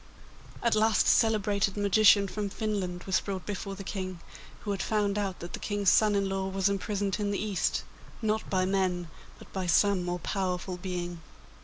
At last a celebrated magician from Finland was brought before the King, who had found out that the King's son in law was imprisoned in the East, not by men, but by some more powerful being.